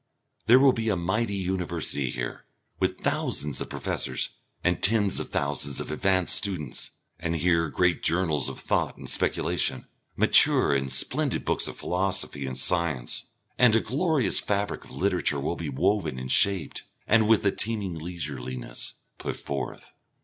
There will be a mighty University here, with thousands of professors and tens of thousands of advanced students, and here great journals of thought and speculation, mature and splendid books of philosophy and science, and a glorious fabric of literature will be woven and shaped, and with a teeming leisureliness, put forth.